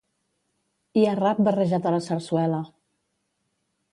Hi ha rap barrejat a la sarsuela.